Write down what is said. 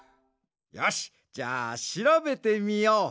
よしじゃあしらべてみよう！